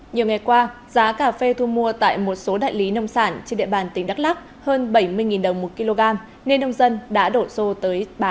nhiều ngày qua giá cà phê thu mua tại một số đại lý nông sản trên địa bàn tỉnh đắk lắc hơn bảy mươi đồng một kg nên nông dân đã đổ xô tới bán